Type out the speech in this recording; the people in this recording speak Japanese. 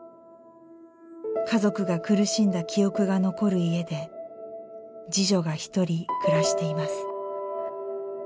家族が苦しんだ記憶が残る家で次女が一人暮らしています。